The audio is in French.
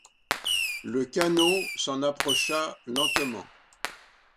Le canot s’en approcha lentement.